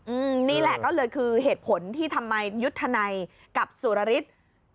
อืมนี่แหละก็เลยคือเหตุผลที่ทำไมยุทธนัยกับสุรฤทธิ์